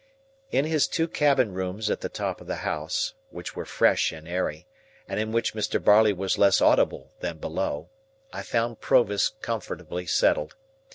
In his two cabin rooms at the top of the house, which were fresh and airy, and in which Mr. Barley was less audible than below, I found Provis comfortably settled.